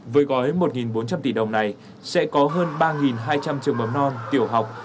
với gói một bốn trăm linh tỷ đồng này sẽ có hơn ba hai trăm linh trường mầm non tiểu học